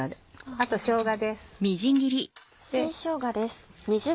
あとしょうがです。